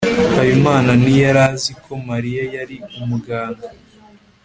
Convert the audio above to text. habimana ntiyari azi ko mariya yari umuganga